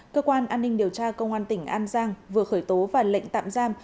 cơ quan an ninh điều tra công an tỉnh an giang vừa khởi tố và lệnh tạm giam